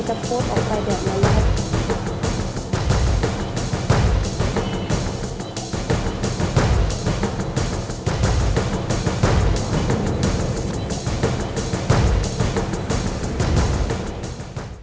จำเป็นว่าคุณค่ะนี่คือคุณค่ะคุณค่ะคุณค่ะคุณค่ะคุณค่ะ